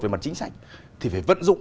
về mặt chính sách thì phải vận dụng